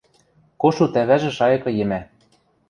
– Кошут ӓвӓжӹ шайыкы йӹмӓ.